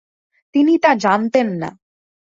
তিনি তা জানতেন না।